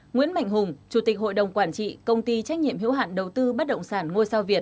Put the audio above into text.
nguyễn mạnh hùng chủ tịch hội đồng quản trị công ty trách nhiệm hữu hạn đầu tư bất động sản ngôi sao việt